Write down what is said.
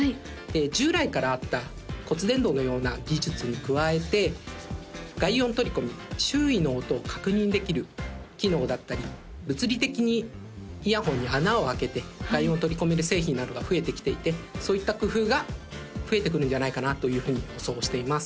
従来からあった骨伝導のような技術に加えて外音取り込み周囲の音を確認できる機能だったり物理的にイヤホンに穴をあけて外音を取り込める製品などが増えてきていてそういった工夫が増えてくるんじゃないかなというふうに予想しています